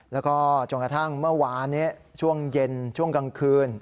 แล้วก็จนกระทั่งเมื่อวานช่วงเย็นช่วงกลางคืน